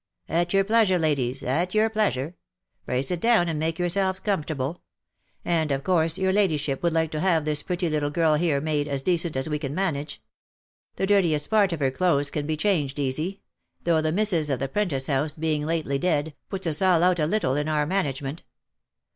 "At your pleasure, ladies, at your pleasure. Pray sit down and make yourselves comfortable. And of course your ladyship would like to have this pretty little girl here made as decent as we can manage ; the dirtiest part of her clothes can be changed easy, though the missis of the 'prentice house being lately dead, puts us out a little in our management.